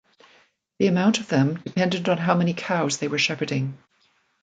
The amount of them depended on how many cows they were shepherding.